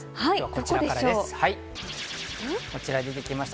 こちらからです。